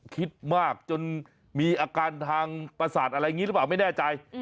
คิดมากจนมีอาการทางประสาทอะไรอย่างนี้หรือเปล่าไม่แน่ใจ